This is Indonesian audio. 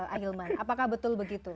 akhilman apakah betul begitu